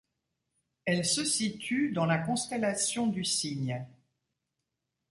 Elles se situent dans la constellation du Cygne.